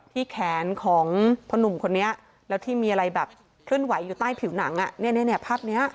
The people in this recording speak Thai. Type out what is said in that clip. แขนของพ่อหนุ่มคนนี้แล้วที่มีอะไรแบบเคลื่อนไหวอยู่ใต้ผิวหนังภาพนี้